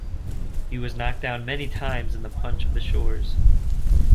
He was knocked down many times in the punch of the shores.